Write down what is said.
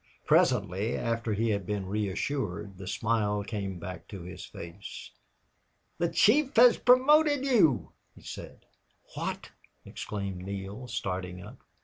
Presently, after he had been reassured, the smile came back to his face. "The chief has promoted you," he said. "What!" exclaimed Neale, starting up.